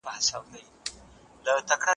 باطل له منځه ځي.